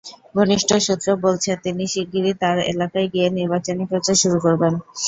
ঘনিষ্ঠ সূত্রগুলো বলছে, তিনি শিগগিরই তাঁর এলাকায় গিয়ে নির্বাচনী প্রচার শুরু করবেন।